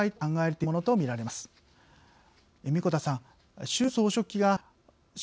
子田さん